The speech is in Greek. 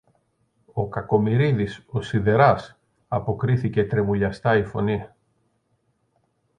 ο Κακομοιρίδης, ο σιδεράς, αποκρίθηκε τρεμουλιαστά η φωνή.